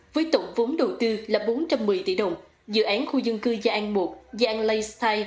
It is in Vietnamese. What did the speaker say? với tổng phốn đầu tư là bốn trăm một mươi tỷ đồng dự án khu dân cư gia an một gia an lay style